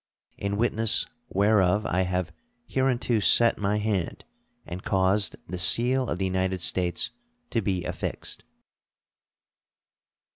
In witness whereof I have hereunto set my hand and caused the seal of the United States to be affixed.